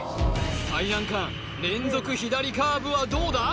最難関連続左カーブはどうだ？